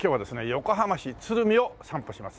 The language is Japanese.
横浜市鶴見を散歩します。